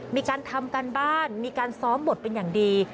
มีการทำการบ้านมีการซ้อมบทเป็นอย่างดี